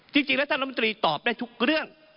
จริงแล้วท่านรัฐมนตรีตอบได้ทุกเรื่อง